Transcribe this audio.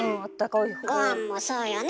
ごはんもそうよね？